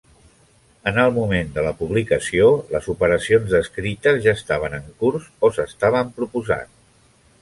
En el moment de la publicació, les operacions descrites ja estaven en curs o s'estaven proposant.